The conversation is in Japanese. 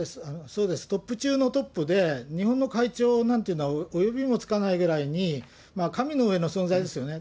そうです、トップ中のトップで、日本の会長なんていうのは、およびもつかないくらいに、神の上の存在ですよね。